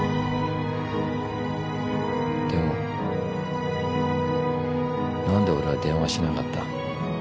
でも何で俺は電話しなかった？